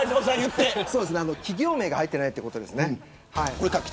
企業名が入っていないということです。